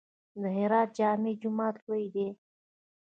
د هرات جامع جومات لوی دی